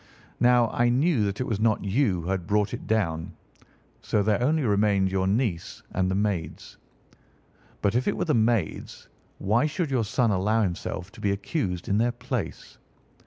Now, I knew that it was not you who had brought it down, so there only remained your niece and the maids. But if it were the maids, why should your son allow himself to be accused in their place?